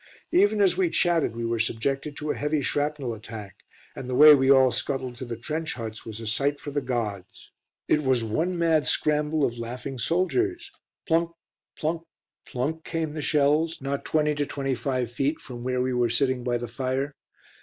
Even as we chatted we were subjected to a heavy shrapnel attack, and the way we all scuttled to the trench huts was a sight for the gods. It was one mad scramble of laughing soldiers. Plunk plunk plunk came the shells, not 20 25 feet from where we were sitting by the fire.